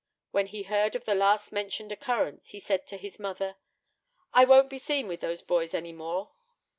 When he heard of the last mentioned occurrence, he said to his mother, "I won't be seen with those boys any more.